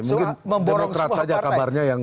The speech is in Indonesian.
mungkin demokrat saja kabarnya yang